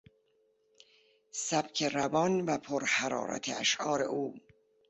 سبک روان و پرحرارت اشعار او